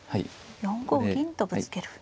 ４五銀とぶつける。